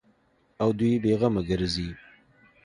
او دوى بې غمه گرځي.